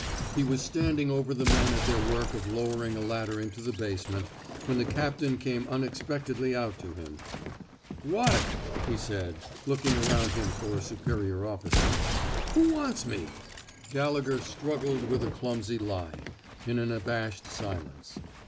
He was standing over the men at their work of lowering a ladder into the basement, when the captain came unexpectedly out to 235 THE SMOKE EATERS him. What! '* he said, looking around >iiTn for a superior officer. Who wants me!'' Gallegher struggled with a clumsy lie, in an abashed silence.